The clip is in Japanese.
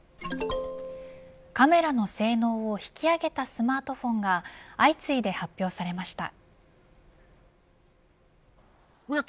カメラの性能を引き上げたスマートフォンが相次いで発表されました。